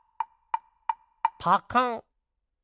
パカン！